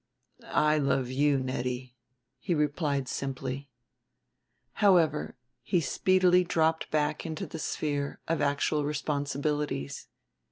"I love you, Nettie," he replied simply. However, he speedily dropped back into the sphere of actual responsibilities.